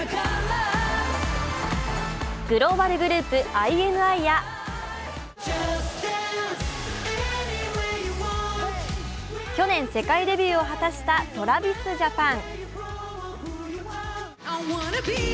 グローバルグループ、ＩＮＩや去年世界デビューを果たしたＴｒａｖｉｓＪａｐａｎ。